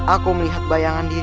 aku melihat bayangan dia